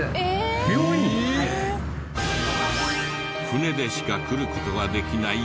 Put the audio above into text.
船でしか来る事ができない